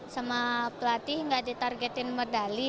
sama pelatih nggak ditargetin medali